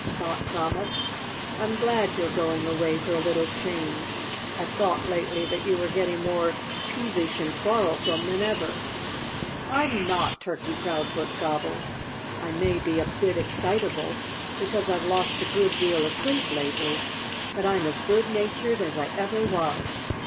Spot promised. "I'm glad you're going away for a little change. I've thought lately that you were getting more peevish and quarrelsome than ever." "I'm not!" Turkey Proudfoot gobbled. "I may be a bit excitable because I've lost a good deal of sleep lately. But I'm as good natured as I ever was."